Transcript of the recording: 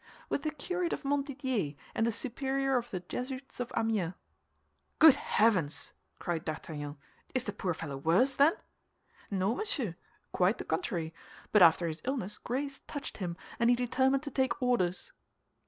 "With the curate of Montdidier and the superior of the Jesuits of Amiens." "Good heavens!" cried D'Artagnan, "is the poor fellow worse, then?" "No, monsieur, quite the contrary; but after his illness grace touched him, and he determined to take orders."